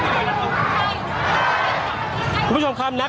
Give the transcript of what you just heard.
ก็น่าจะมีการเปิดทางให้รถพยาบาลเคลื่อนต่อไปนะครับ